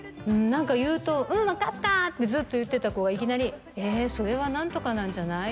何か言うとうん分かったってずっと言ってた子がいきなりえそれは何とかなんじゃない？